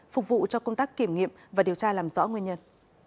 phục vụ cho công tác kiểm nghiệm và điều tra làm rõ nguyên nhân